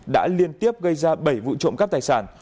đã liên tiếp gây ra bảy vụ trộm cắp tài sản